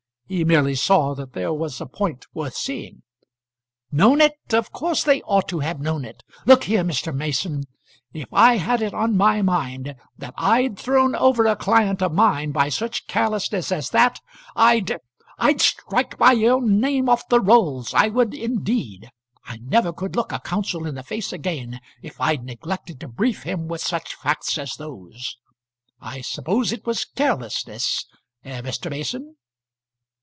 He merely saw that there was a point worth seeing. "Known it! Of course they ought to have known it. Look here, Mr. Mason! If I had it on my mind that I'd thrown over a client of mine by such carelessness as that, I'd I'd strike my own name off the rolls; I would indeed. I never could look a counsel in the face again, if I'd neglected to brief him with such facts as those. I suppose it was carelessness; eh, Mr. Mason?"